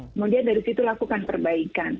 kemudian dari situ lakukan perbaikan